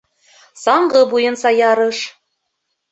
Саңғы буйынса ярыш